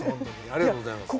ありがとうございます。